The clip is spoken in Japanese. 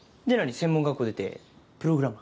専門学校出てプログラマー？